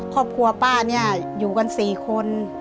ครอบครัวป้าอยู่กัน๔คน